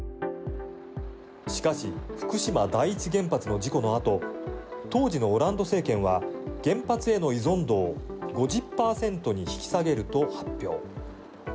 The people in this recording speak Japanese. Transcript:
しかし福島第一原発の事故のあと当時のオランド政権は原発への依存度を５０パーセントに引き下げると発表。